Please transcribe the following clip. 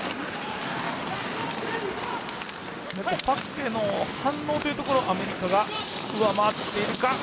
パックへの反応というところアメリカが、上回っているか。